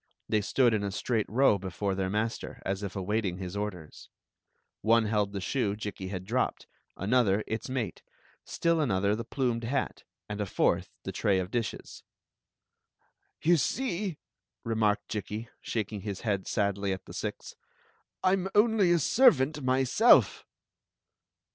They stood in a straight row before tfieir master, as if awaiting his orders. One held the shoe Story of the Magic Cloak 111 mn WE ARB,* OBCLAKBD TH« SIX." Jikki had dropped, another its mate, still another the plumed hat, and a fourth the tray of dishes. "You see," remarked Jikki, shaking his head sadly at the six, "1 'm only a servant myself.